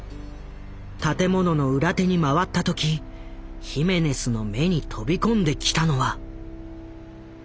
建物の裏手に回った時ヒメネスの目に飛び込んできたのは。